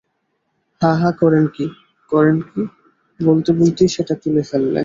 –হাঁ হাঁ করেন কী, করেন কী, বলতে বলতেই সেটা তুলে ফেললে।